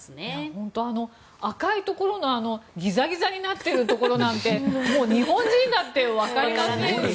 本当、赤いところのギザギザになってるところなんでもう日本人だってわかりませんし。